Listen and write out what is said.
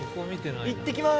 いってきます。